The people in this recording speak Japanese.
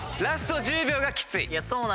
ラスト１０秒がきつい。